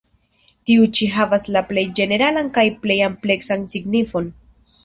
Tiu ĉi havas la plej ĝeneralan kaj plej ampleksan signifon.